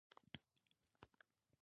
زه بايد سه وکړم آيا ته راته ويلي شي